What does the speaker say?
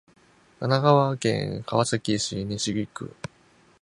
神奈川県川崎市西区